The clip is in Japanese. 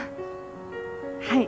はい。